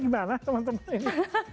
gimana teman teman ini